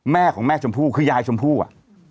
แม่ของแม่ชมพู่คือยายชมพู่อะ